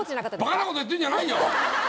バカな事言ってるんじゃないよ！